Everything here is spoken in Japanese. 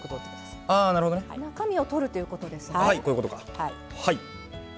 中身を取るということですね。